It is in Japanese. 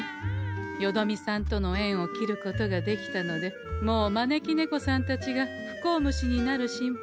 よどみさんとの縁を切ることができたのでもう招き猫さんたちが不幸虫になる心配もござんせん。